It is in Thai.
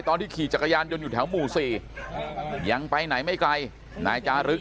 ขี่จักรยานยนต์อยู่แถวหมู่๔ยังไปไหนไม่ไกลนายจารึก